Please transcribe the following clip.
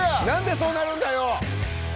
なんでそうなるんだよ！